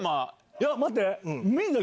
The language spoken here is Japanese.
いや待って。